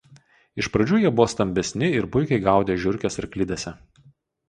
Iš pradžių jie buvo stambesni ir puikiai gaudė žiurkes arklidėse.